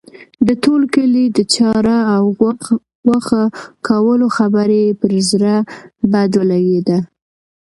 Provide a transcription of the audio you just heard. د ټول کلي د چاړه او غوښه کولو خبره یې پر زړه بد ولګېده.